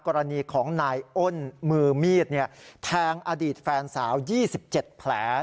กรณีของนายอ้นมือมีดแทงอดีตแฟนสาว๒๗แผล